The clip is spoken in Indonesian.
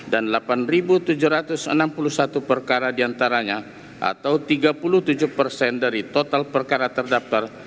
dan delapan tujuh ratus enam puluh satu perkara diantaranya atau tiga puluh tujuh dari total perkara terdaftar